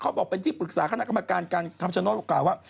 บอกเป็นที่ปรึกษาคณะกรรมการการคำชโนธบอกกล่าวว่า